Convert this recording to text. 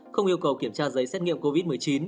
không yêu cầu kiểm tra giấy xét nghiệm covid một mươi chín